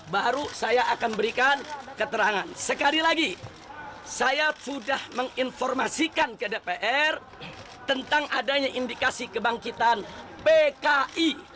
baru saya akan berikan keterangan sekali lagi saya sudah menginformasikan ke dpr tentang adanya indikasi kebangkitan pki